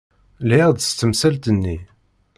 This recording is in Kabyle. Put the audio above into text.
Lhiɣ-d s temsalt-nni.